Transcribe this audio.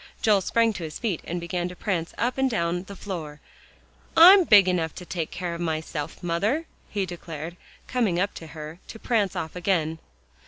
Joel sprang to his feet and began to prance up and down the floor. "I'm big enough to take care of myself, mother," he declared, coming up to her, to prance off again.